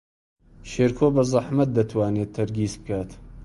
شێرکۆ بەزەحمەت دەتوانێت تەرکیز بکات.